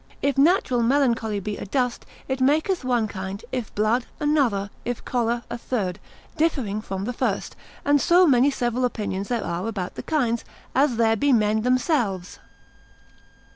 If natural melancholy be adust, it maketh one kind; if blood, another; if choler, a third, differing from the first; and so many several opinions there are about the kinds, as there be men themselves.